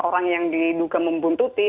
orang yang diduga membuntuti